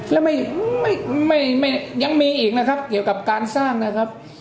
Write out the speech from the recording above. แล้วยังมีอีกนะครับเกี่ยวกับการสร้างนะครับ